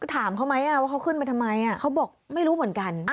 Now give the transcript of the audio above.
ถามเขาไหมว่าเขาขึ้นมาทำไมเขาบอกไม่รู้เหมือนกัน